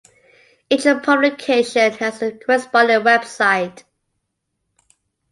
Each publication has a corresponding web site.